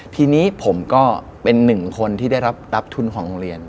ทีนี้ผมก็เป็นหนึ่งคนที่ได้รับทุนของโรงเรียน